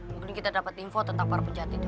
mungkin kita dapat info tentang para pejabat itu